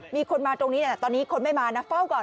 มีคนมาตรงนี้ตอนนี้คนไม่มานะเฝ้าก่อน